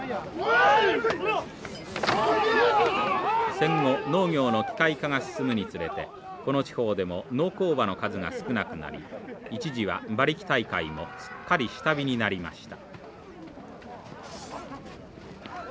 戦後農業の機械化が進むにつれてこの地方でも農耕馬の数が少なくなり一時は馬力大会もすっかり下火になりました。